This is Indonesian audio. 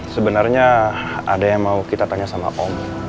sebenarnya ada yang mau kita tanya sama om